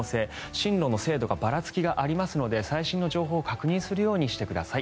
進路の精度がばらつきがありますので最新の情報を確認するようにしてください。